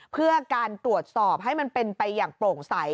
เพื่อการตรวจสอบให้มันเป็นไปอย่างโปร่งใส